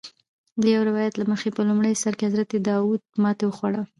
د یو روایت له مخې په لومړي سر کې حضرت داود ماتې وخوړه.